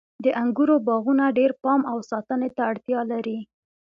د انګورو باغونه ډیر پام او ساتنې ته اړتیا لري.